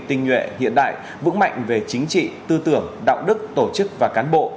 tinh nhuệ hiện đại vững mạnh về chính trị tư tưởng đạo đức tổ chức và cán bộ